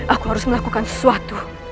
aku harus melakukan sesuatu